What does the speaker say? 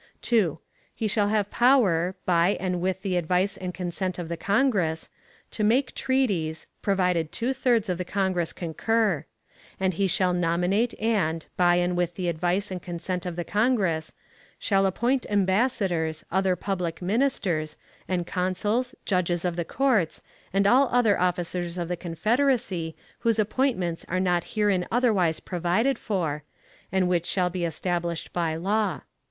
2. He shall have power, by and with the advice and consent of the Congress, to make treaties, provided two thirds of the Congress concur; and he shall nominate and, by and with the advice and consent of the Congress, shall appoint ambassadors, other public ministers, and consuls, judges of the courts, and all other officers of the Confederacy whose appointments are not herein otherwise provided for, and which shall be established by law.